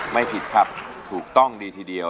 ไม่ผิดครับถูกต้องดีทีเดียว